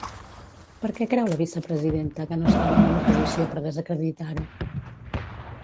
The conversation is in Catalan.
Per què creu la vicepresidenta que no estan en una posició per desacreditar-ho?